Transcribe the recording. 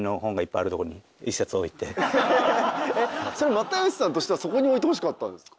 又吉さんとしてはそこに置いてほしかったんですか？